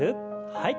はい。